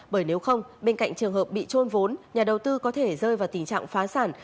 bởi nếu không bên cạnh trường hợp bị trôn vốn nhà đầu tư có thể rơi vào tình trạng phá sản